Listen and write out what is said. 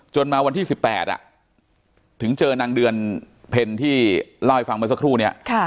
มาวันที่๑๘ถึงเจอนางเดือนเพ็ญที่เล่าให้ฟังเมื่อสักครู่นี้